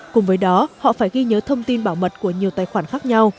cùng với đó họ phải ghi nhớ thông tin bảo mật của nhiều tài khoản khác nhau